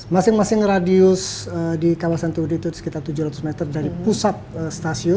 masing masing radius di kawasan tudi itu sekitar tujuh ratus meter dari pusat stasiun